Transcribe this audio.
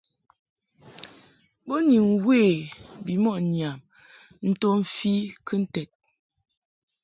Bo ni mwe bimɔʼ ŋyam nto mfi kɨnted.